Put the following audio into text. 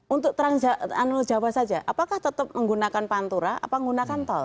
untuk trans jawa saja apakah tetap menggunakan pantura apa menggunakan tol